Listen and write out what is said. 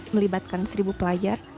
melibatkan seribu pelajar